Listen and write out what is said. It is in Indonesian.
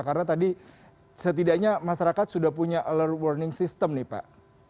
karena tadi setidaknya masyarakat sudah punya alert warning system nih pak